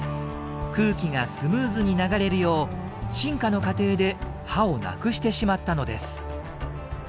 空気がスムーズに流れるよう進化の過程で歯を無くしてしまったのです。